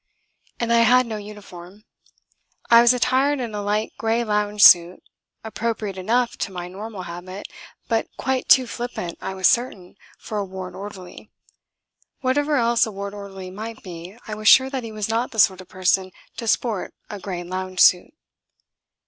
And I had no uniform. I was attired in a light grey lounge suit appropriate enough to my normal habit, but quite too flippant, I was certain, for a ward orderly. Whatever else a ward orderly might be, I was sure that he was not the sort of person to sport a grey lounge suit.